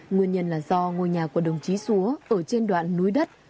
nguyên nhân là do ngôi nhà của đồng chí xúa ở trên đoạn núi đất